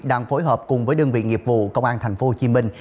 đang phối hợp cùng với đơn vị nghiệp vụ công an thành phố hồ chí minh